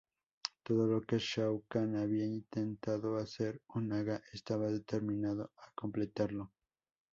Todo lo que Shao Kahn había intentado hacer, Onaga estaba determinando a completarlo.